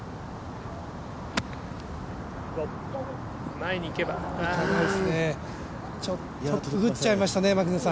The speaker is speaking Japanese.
前に行けばちょっとくぐっちゃいましたね。